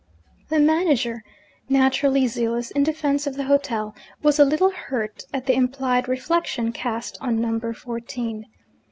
The manager, naturally zealous in defence of the hotel, was a little hurt at the implied reflection cast on Number Fourteen.